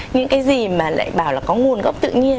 những cái gì mà lại bảo là có nguồn gốc tự nhiên